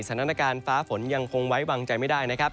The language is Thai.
สถานการณ์ฟ้าฝนยังคงไว้วางใจไม่ได้นะครับ